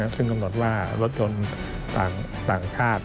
ซึ่งกำหนดว่ารถยนต์ต่างชาติ